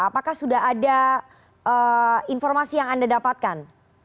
apakah sudah ada informasi yang anda dapatkan